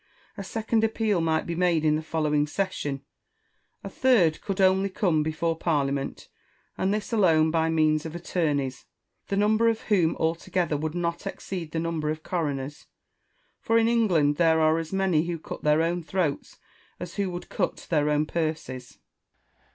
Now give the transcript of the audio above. A second appeal might be made in the following session ; a third could only come before Parliament, and this alone by means of attorneys, the number of whom altogether would not exceed the number of coi'oners ; for in England there are as many who cut their own throats as who would cut their own purses.